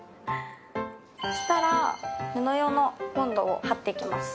そしたら布用のボンドを貼っていきます。